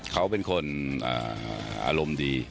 เขาเป็นคนอารมณ์ดี